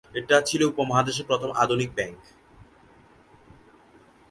এটি ছিল উপমহাদেশের প্রথম আধুনিক ব্যাংক।